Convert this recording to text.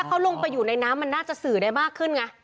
เขาลงไปอยู่ในน้ำมันน่าจะสื่อได้มากขึ้นไง